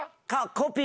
コピー？